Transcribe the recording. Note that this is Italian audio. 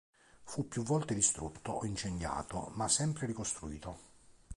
Fu più volte distrutto o incendiato ma sempre ricostruito.